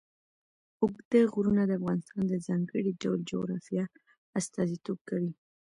اوږده غرونه د افغانستان د ځانګړي ډول جغرافیه استازیتوب کوي.